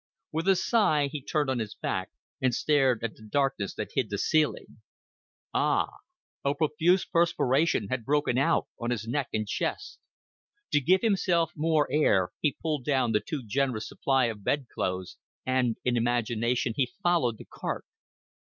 With a sigh, he turned on his back and stared at the darkness that hid the ceiling. Ah! A profuse perspiration had broken out on his neck and chest. To give himself more air he pulled down the too generous supply of bed clothes, and in imagination he followed the cart.